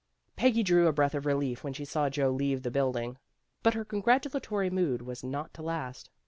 Peggy drew a breath of relief when she saw Joe leave the building. But her congratu latory mood was not to last.